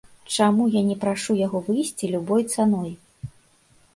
Чаму я не прашу яго выйсці любой цаной?